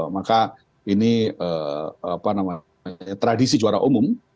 maka ini tradisi juara umum